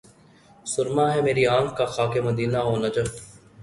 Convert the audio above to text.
سرمہ ہے میری آنکھ کا خاک مدینہ و نجف